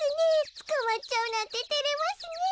つかまっちゃうなんててれますねえ。